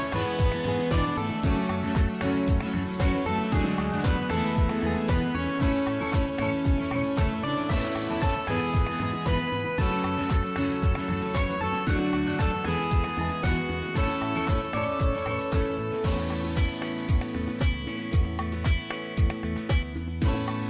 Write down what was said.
สวัสดีครับ